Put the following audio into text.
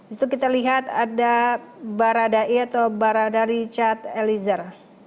itu kita lihat ada baradae atau barada richard eliezer